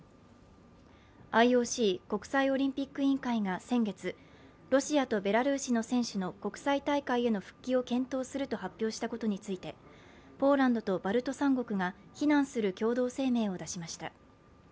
ＩＯＣ＝国際オリンピック委員会が先月、ロシアとベラルーシの選手の国際大会への復帰を検討すると発表したことについてポーランドとバルト三国が非難する共同声明を出しました。